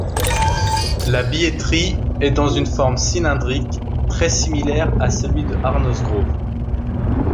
La billetterie est dans une forme cylindrique, très similaire à celui de Arnos Grove.